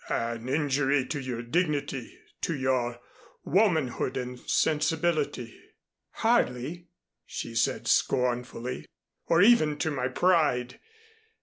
"An injury to your dignity, to your womanhood and sensibility " "Hardly," she said scornfully, "or even to my pride.